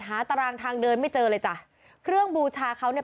ตารางทางเดินไม่เจอเลยจ้ะเครื่องบูชาเขาเนี่ย